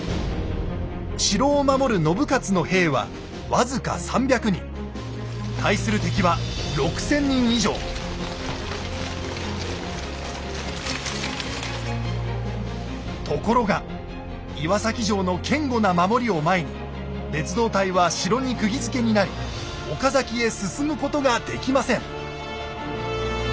城を守る信雄の兵は対する敵はところが岩崎城の堅固な守りを前に別動隊は城にくぎづけになり岡崎へ進むことができません。